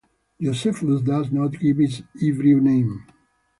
Josephus does not give its Hebrew name.